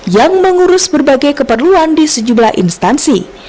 yang mengurus berbagai keperluan di sejumlah instansi